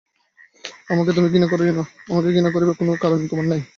আমাকে তুমি ঘৃণা করিয়ো না, আমাকে ঘৃণা করিবার কোনো কারণ তোমার নাই।